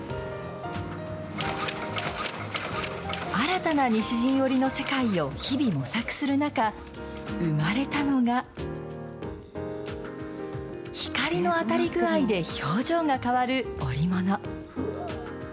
新たな西陣織の世界を日々模索する中、生まれたのが光の当たり具合で表情が変わる織物。